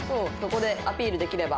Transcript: ここでアピールできれば。